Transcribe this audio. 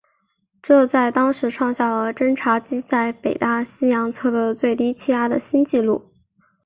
这在当时创下了侦察机在北大西洋测得最低气压的新纪录。